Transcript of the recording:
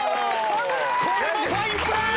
これもファインプレー！